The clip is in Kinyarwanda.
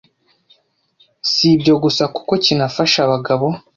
Si ibyo gusa kuko kinafasha abagabo